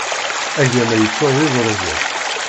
Agama yeččur d idrugen.